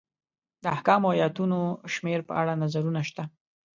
د احکامو ایتونو شمېر په اړه نظرونه شته.